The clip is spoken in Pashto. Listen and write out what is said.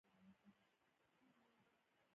انسان بايد خپل ځان وپيژني تر څو خداي وپيژني